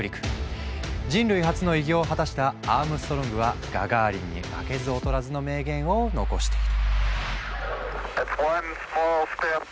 人類初の偉業を果たしたアームストロングはガガーリンに負けず劣らずの名言を残している。